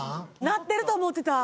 なってると思ってた！